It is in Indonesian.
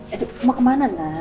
aduh mau kemana nak